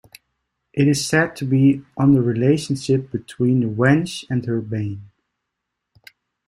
It is said to be "on the relationship between the Wench and Her Bane".